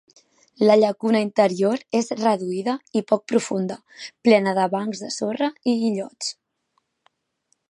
La llacuna interior és reduïda i poc profunda, plena de bancs de sorra i illots.